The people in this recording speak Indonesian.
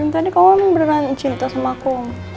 tadi kamu berani cinta sama aku